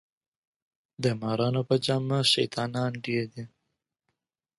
د مارانو په جامه شیطانان ډیر دي